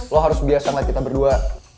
lo harus biasa buat kita berdua